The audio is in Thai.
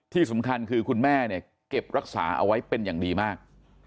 ที่สำคัญคือคุณแม่เนี่ยเก็บรักษาเอาไว้เป็นอย่างดีมาก